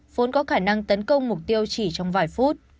vốn có khả năng tấn công mục tiêu chỉ trong vài phút